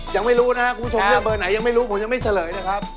ยังไม่รู้นะครับคุณผู้ชมเลือกเบอร์ไหนยังไม่รู้ผมยังไม่เฉลยนะครับ